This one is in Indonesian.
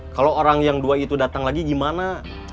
kalau orang yang dua itu datang lagi gimana